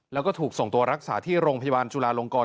แล้วก็ถูกส่งตัวรักษาที่โรงพยาบาลจุลาลงกร